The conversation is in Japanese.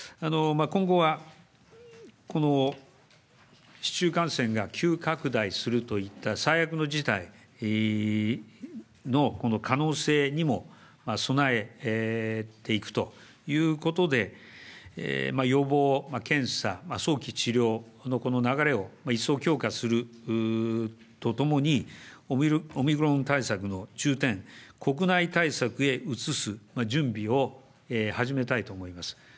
今後はこの市中感染が急拡大するといった最悪の事態の可能性にも備えていくということで、予防検査、早期治療の流れを一層強化するとともに、オミクロン対策の重点、国内対策に移す準備を始めたいと思います。